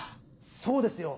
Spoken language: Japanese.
そうですよ！